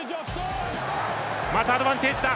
またアドバンテージだ。